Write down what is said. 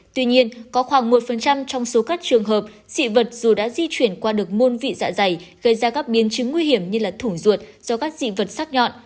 tuy nhiên có khoảng một trong số các trường hợp dị vật dù đã di chuyển qua được môn vị dạ dày gây ra các biến chứng nguy hiểm như là thủng ruột do các dị vật sắc nhọn